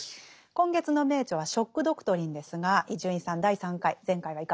今月の名著は「ショック・ドクトリン」ですが伊集院さん第３回前回はいかがでしたか？